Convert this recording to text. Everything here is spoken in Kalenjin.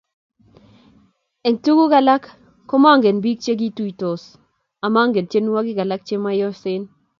Eng tuguk alak komangen biik chekituitosi, amangen tyenwogik alak chemayosen